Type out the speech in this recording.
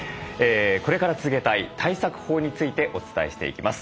これから続けたい対策法についてお伝えしていきます。